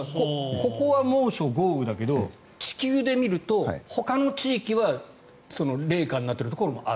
ここは猛暑、豪雨だけど地球で見るとほかの地域は冷夏になっているところもある。